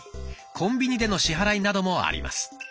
コンビニでの支払いなどもあります。